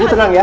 ibu tenang ya